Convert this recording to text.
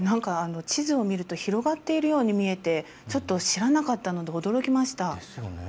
地図を見ると広がっているように見えてちょっと、知らなかったので驚きました。